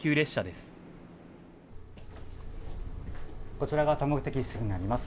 こちらが多目的室になります。